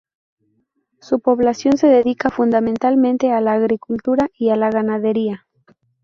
Su población se dedica fundamentalmente a la agricultura y a la ganadería.